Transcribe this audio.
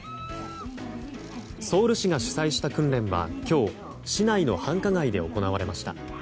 ソウル市が主催した訓練は今日、市内の繁華街で行われました。